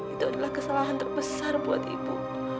itu adalah kesalahan terbesar buat ibu